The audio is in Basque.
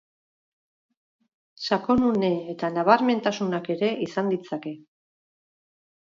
Sakonune eta nabarmentasunak ere izan ditzake.